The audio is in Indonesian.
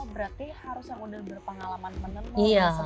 berarti harus yang udah berpengalaman menenun